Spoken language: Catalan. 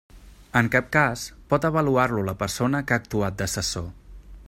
En cap cas pot avaluar-lo la persona que ha actuat d'assessor.